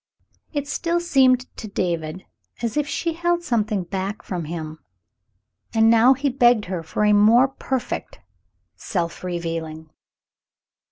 It still seemed to David as if she held something back from him, and now he begged her for a more perfect self revealing.